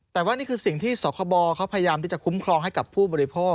แต่ว่านี่คือสิ่งที่สคบเขาพยายามที่จะคุ้มครองให้กับผู้บริโภค